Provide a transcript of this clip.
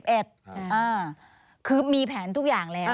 คือมีแผนทุกอย่างแล้ว